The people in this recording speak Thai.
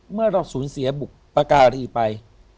เมื่อเราสูญเสียบุปการีไป